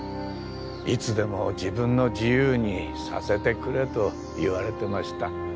いつでも自分の自由にさせてくれと言われてました